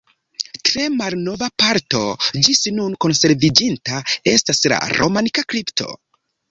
Tre malnova parto ĝis nun konserviĝinta estas la romanika kripto.